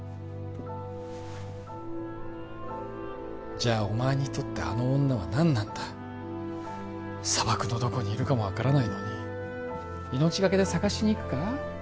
じゃあお前にとってあの女は何なんだ砂漠のどこにいるかも分からないのに命がけで捜しに行くか？